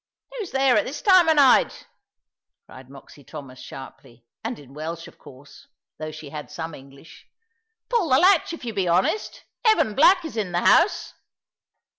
"Who's there at this time of night?" cried Moxy Thomas, sharply, and in Welsh of course, although she had some English; "pull the latch, if you be honest. Evan Black is in the house."